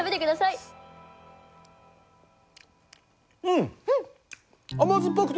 うん！